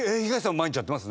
毎日やってます？